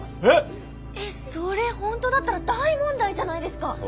えそれ本当だったら大問題じゃないですか。